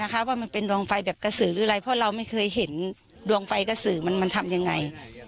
ว่ามันเป็นดวงไฟแบบกระสือหรืออะไรเพราะเราไม่เคยเห็นดวงไฟกระสือมันทำยังไง